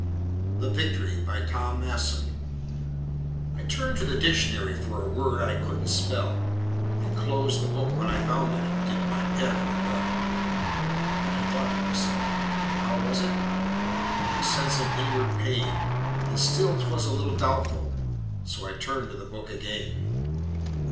] VICTORY BY TOM MASSON I turned to the dictionary For a word I couldn't spell, And closed the book when I found it And dipped my pen in the well. Then I thought to myself, "How was it?" With a sense of inward pain, And still 'twas a little doubtful, So I turned to the book again.